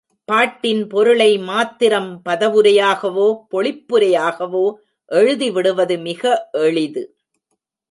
பாட்டின் பொருளை மாத்திரம் பதவுரையாகவோ பொழிப்புரையாகவோ எழுதிவிடுவது மிக எளிது.